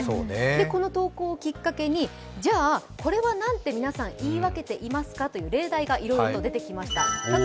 この投稿をきっかけに、じゃあこれは何て皆さん言い分けていますかという例題がいろいろと出てきました。